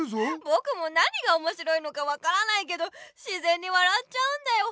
ぼくも何がおもしろいのか分からないけどしぜんに笑っちゃうんだよ。